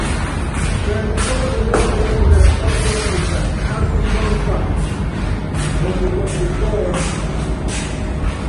Pɛɛndɔ pɔ́kɔtɔnɛ́ putiɛ́púlɛ́ ɔ́tɔ́ŋɔ isak á kufáŋfa nɔ mukɔt kɔ́ ɔɔ́ny.